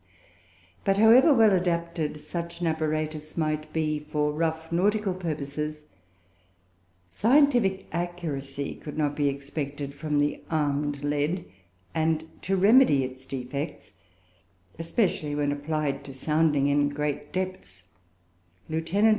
But, however well adapted such an apparatus might be for rough nautical purposes, scientific accuracy could not be expected from the armed lead, and to remedy its defects (especially when applied to sounding in great depths) Lieut.